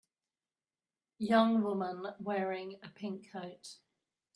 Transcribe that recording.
Young women wearing a pink coat.